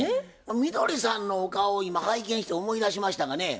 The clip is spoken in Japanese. みどりさんのお顔を今拝見して思い出しましたがね